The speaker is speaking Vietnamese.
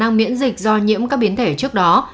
khả năng miễn dịch do nhiễm các biến thể trước đó